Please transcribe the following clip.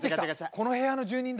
この部屋の住人だ！